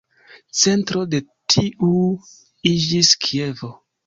Centro de tiu iĝis Kievo.